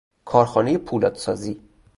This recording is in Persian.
کارخانهی پولادسازی